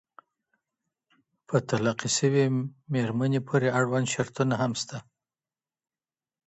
په طلاقي سوې ميرمني پوري اړوند شرطونه هم سته.